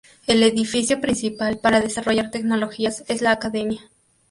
El edificio principal para desarrollar tecnologías es la academia.